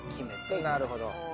なるほど。